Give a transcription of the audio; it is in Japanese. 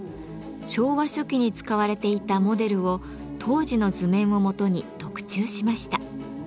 昭和初期に使われていたモデルを当時の図面をもとに特注しました。